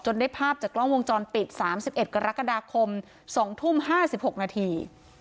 จนได้ภาพจากกล้องวงจรปิดสามสิบเอ็ดกรกฎาคมสองทุ่มห้าสิบหกนาที